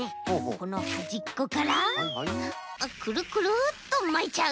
このはじっこからクルクルっとまいちゃう。